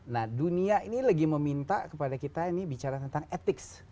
nah dunia ini lagi meminta kepada kita ini bicara tentang etik